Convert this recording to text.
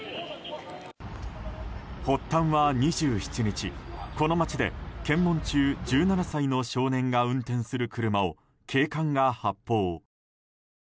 発端は２７日、この町で検問中１７歳の少年が運転する車を警官が発砲。